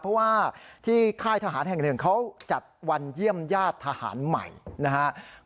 เพราะว่าที่ค่ายทหารแห่งหนึ่งเขาจัดวันเยี่ยมญาติทหารใหม่นะครับ